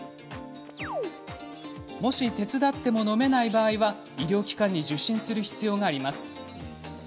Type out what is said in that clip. もし手伝っても飲めない場合は医療機関を受診する必要があります。